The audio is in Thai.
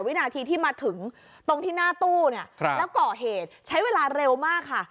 วินาทีที่มาถึงตรงที่หน้าตู้เนี่ยแล้วก่อเหตุใช้เวลาเร็วมากค่ะ